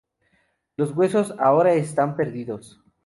Los huesos ahora están perdidos.